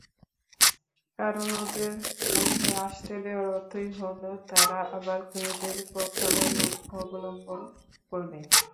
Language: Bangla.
কারণ, ওদের ক্ষমতায় আসতে দেওয়ার অর্থই হলো, তারা আবার খুনিদের পক্ষাবলম্বন করবে।